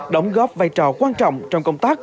đóng góp vai trò quan trọng trong công tác